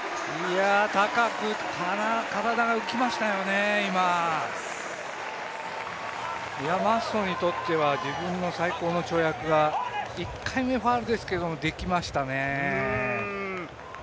高く体が浮きましたよね、今マッソにとっては自分の最高の跳躍が、１回目、ファウルですけど、できましたね。